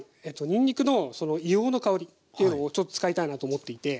にんにくの硫黄の香りというのをちょっと使いたいなと思っていて。